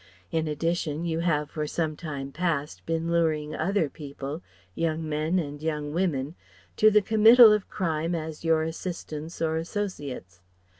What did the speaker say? In addition, you have for some time past been luring other people young men and young women to the committal of crime as your assistants or associates.